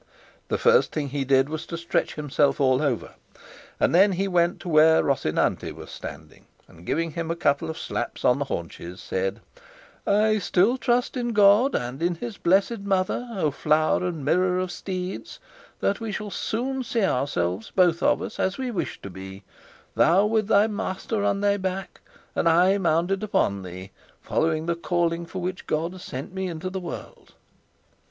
The first thing he did was to stretch himself all over, and then he went to where Rocinante was standing and giving him a couple of slaps on the haunches said, "I still trust in God and in his blessed mother, O flower and mirror of steeds, that we shall soon see ourselves, both of us, as we wish to be, thou with thy master on thy back, and I mounted upon thee, following the calling for which God sent me into the world."